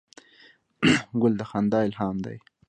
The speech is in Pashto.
ګل د خندا الهام دی.